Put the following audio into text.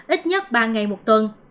ít nhất ba ngày một tuần